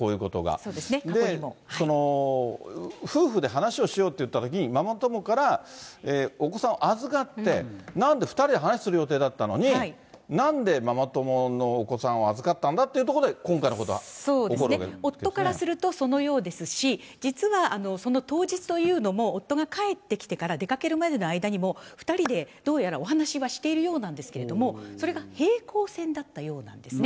そうですね、過去にも。夫婦で話をしようって言ったときにママ友からお子さんを預かって、なんで２人で話をする予定だったのに、なんでママ友のお子さんを預かったんだというところで、そうですね、夫からするとそのようですし、実は、その当日というのも、夫が帰ってきてから出かけるまでの間にも、２人でどうやらお話はしているようなんですけれども、それが平行線だったようなんですね。